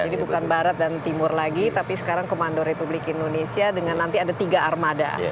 jadi bukan barat dan timur lagi tapi sekarang komando republik indonesia dengan nanti ada tiga armada